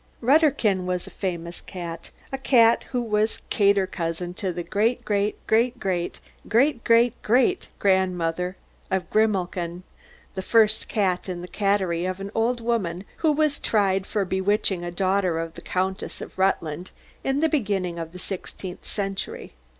"Rutterkin was a famous cat, a cat who was 'cater' cousin to the great great great great great great great great great grandmother of Grimalkin, and first cat in the caterie of an old woman who was tried for bewitching a daughter of the Countess of Rutland in the beginning of the sixteenth century.